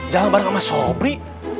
jalan bareng sama sopri